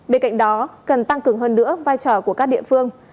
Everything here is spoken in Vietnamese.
bên cạnh đó cần tăng cường hơn nữa vai trò của các địa phương